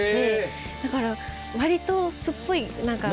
だから割と素っぽい何か。